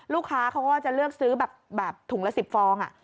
ลูกค้าเขาก็จะเลือกซื้อแบบถุงละ๑๐ฟอง